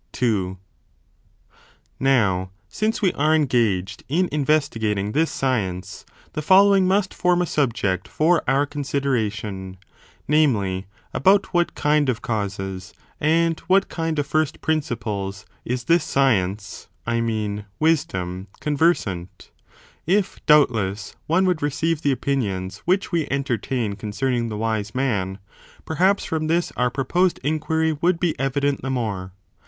i Now, since we are engaged in investigating this i. wisdom con science, the following must form a subject for J^^t^ * our consideration ; namely, about what kind of universal causes, and what kind of first principles, is this '^®®"* science — I mean wisdom — conversant. If, doubtless, one would receive the opinions which we entertain concerning the wise man, perhaps from this our proposed inquiry would evident the more.